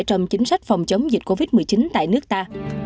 trong chính sách phòng chống dịch covid một mươi chín tại nước ta